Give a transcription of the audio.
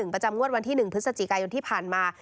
ประจำงวดวันที่๑พฤศจิกายนที่ผ่านมา